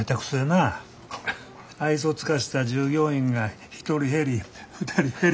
愛想尽かした従業員が１人減り２人減り。